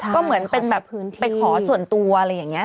ก็เหมือนเป็นแบบไปขอส่วนตัวอะไรอย่างนี้